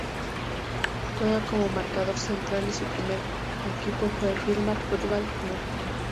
Juega como marcador central y su primer equipo fue Firmat Football Club.